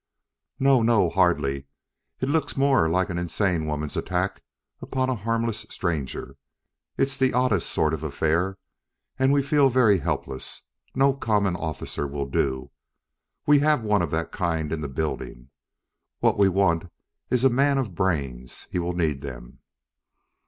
"No no hardly. It looks more like an insane woman's attack upon a harmless stranger. It's the oddest sort of an affair, and we feel very helpless. No common officer will do. We have one of that kind in the building. What we want is a man of brains; he will need them."